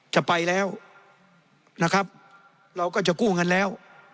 ไปแล้วนะครับเราก็จะกู้เงินแล้ว